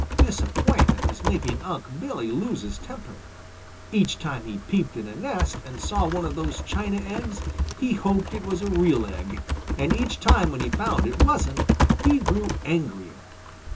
Disappointment was making Unc' Billy lose his temper. Each time he peeped in a nest and saw one of those china eggs, he hoped it was a real egg, and each time when he found it wasn't he grew angrier.